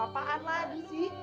aduh apaan lagi sih